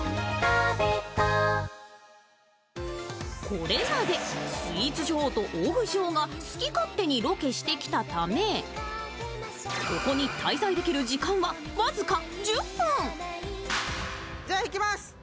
これまでスイーツ女王と大食い女王が好き勝手にロケしてきたため、ここに滞在できる時間は僅か１０分。